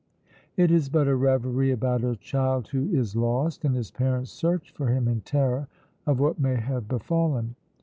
It is but a reverie about a child who is lost, and his parents' search for him in terror of what may have befallen.